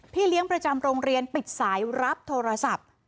เลี้ยงประจำโรงเรียนปิดสายรับโทรศัพท์